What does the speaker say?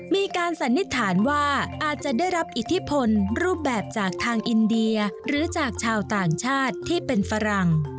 สันนิษฐานว่าอาจจะได้รับอิทธิพลรูปแบบจากทางอินเดียหรือจากชาวต่างชาติที่เป็นฝรั่ง